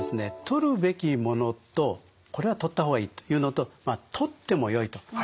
「とるべきもの」と「これはとった方がいい」というのと「とってもよい」と。